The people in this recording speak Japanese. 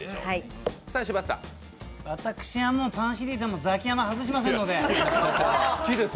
私はパンシリーズは、ザキヤマを外しませんので。